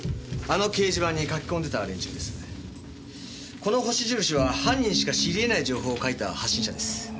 この星印は犯人しか知りえない情報を書いた発信者です。